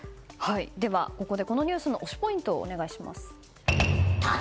では、このニュースの推しポイントをお願いします。